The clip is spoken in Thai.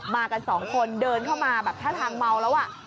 มากัน๒คนเดินเข้ามาแบบท่าทางเมาแล้ว